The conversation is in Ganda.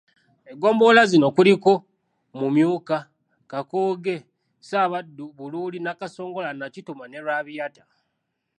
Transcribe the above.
Eggombolola zino kuliko; Mumyuka Kakooge, Ssaabaddu Buluuli, Nakasongola, Nakituma ne Lwabiyata.